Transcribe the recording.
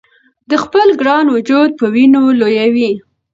د خپل ګران وجود په وینو لویوي یې